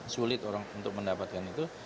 sulit orang untuk mendapatkan itu